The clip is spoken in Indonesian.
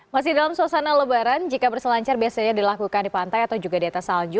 masih dalam suasana lebaran jika berselancar biasanya dilakukan di pantai atau juga di atas salju